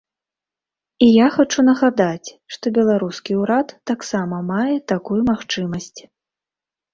І я хачу нагадаць, што беларускі ўрад таксама мае такую магчымасць.